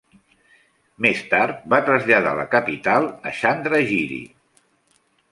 Més tard va traslladar la capital a Chandragiri.